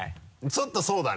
ちょっとそうだね。